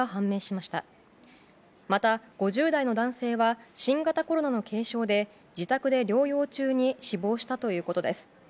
また、５０代の男性は新型コロナの軽症で自宅で療養中に死亡したということです。